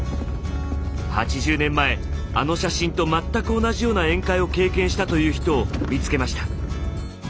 ８０年前あの写真と全く同じような宴会を経験したという人を見つけました。